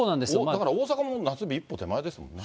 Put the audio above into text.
だから大阪も夏日一歩手前ですもんね。